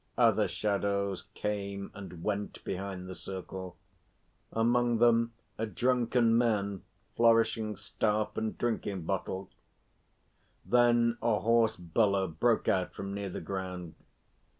Other shadows came and went behind the circle, among them a drunken Man flourishing staff and drinking bottle. Then a hoarse bellow broke out from near the ground.